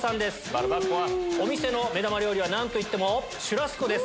お店の目玉料理は何といってもシュラスコです。